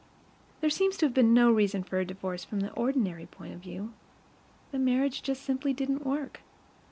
There seems to have been no reason for her divorce from the ordinary point of view; the marriage just simply didn't work.